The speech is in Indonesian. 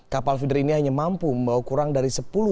kapal feeder ini hanya mampu membawa kurang dari satu lima ratus teus